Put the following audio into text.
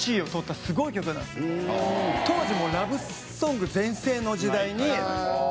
当時ラブソング全盛の時代にロック。